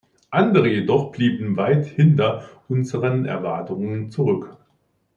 Andere jedoch blieben weit hinter unseren Erwartungen zurück.